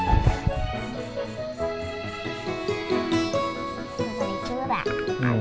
gak boleh curat